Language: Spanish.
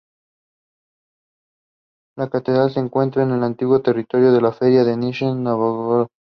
La catedral se encuentra en el antiguo territorio de la Feria de Nizhni Nóvgorod.